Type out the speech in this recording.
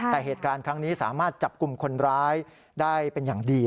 แต่เหตุการณ์ครั้งนี้สามารถจับกลุ่มคนร้ายได้เป็นอย่างดี